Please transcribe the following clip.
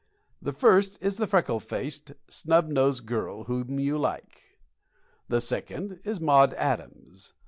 The first is the freckle faced, snub nosed girl whom you like. The second is Maud Adams.